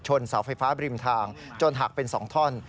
เสาไฟฟ้าบริมทางจนหักเป็น๒ท่อน